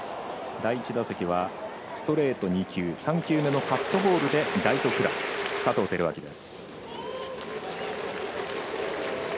第１打席はストレート２球３球目のカットボールでライトフライ佐藤輝明です。